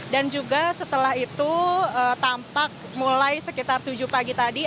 dan juga setelah itu tampak mulai sekitar tujuh pagi tadi